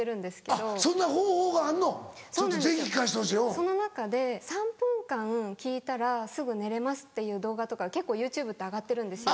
その中で３分間聴いたらすぐ寝れますっていう動画とか結構ＹｏｕＴｕｂｅって上がってるんですよ。